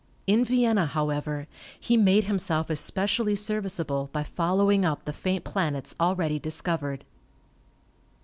In Vienna, however, he made himself especially serviceable by following up the faint planets already discovered.